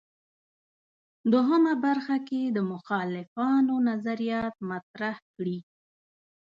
دوهمه برخه کې د مخالفانو نظریات مطرح کړي.